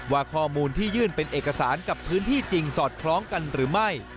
ว่าข้อมูลที่ยื่นเป็นเอกสารกับพื้นที่จริงสอดคล้องกันหรือไม่